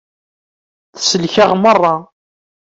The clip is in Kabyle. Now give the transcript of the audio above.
Tsellek-aɣ merra.